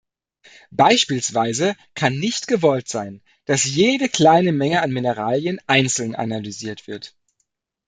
Beispielsweise kann nicht gewollt sein, dass jede kleine Menge an Mineralien einzeln analysiert wird.